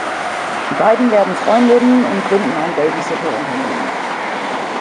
Die beiden werden Freundinnen und gründen ein Babysitter-Unternehmen.